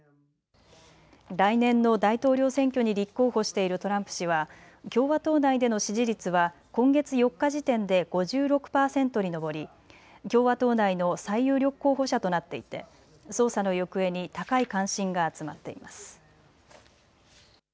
来年の大統領選挙に立候補しているトランプ氏は共和党内での支持率は今月４日時点で５６％に上り、共和党内の最有力候補者となっていて捜査の行方に高い関心が集まっています。